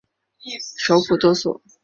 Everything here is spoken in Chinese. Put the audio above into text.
首府多索。